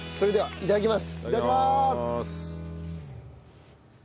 いただきます。